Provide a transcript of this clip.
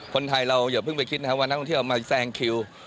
คนไทยเราอย่าเพิ่งไปคิดนะครับว่านักท่องเที่ยวมาแซงคิว